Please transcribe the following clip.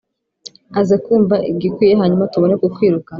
Aze kumva igikwiye hanyuma tubone kukwirukana .